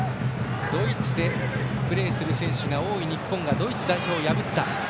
ドイツでプレーする選手が多い日本がドイツ代表を破った。